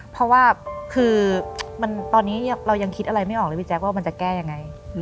เพราะว่าคือตอนนี้เรายังคิดอะไรไม่ออกเลยพี่แจ๊คว่ามันจะแก้ยังไง